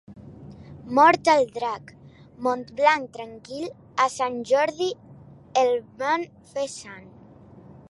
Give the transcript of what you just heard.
Mort el drac, Montblanc tranquil, a sant Jordi el van fer sant.